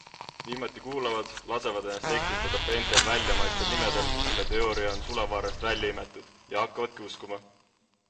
Viimati kuulavad, lasevad ennast eksitada peentel väljamaistel nimedel, kelle teooria on sulevarrest välja imetud, ja hakkavadki uskuma?